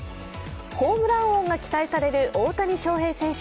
ホームラン王が期待される大谷翔平選手。